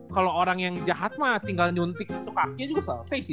kalau orang yang jahat mah tinggal nyuntik itu kakinya juga selesai sih